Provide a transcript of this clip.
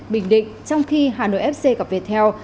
bình định trong khi hà nội fc gặp viettel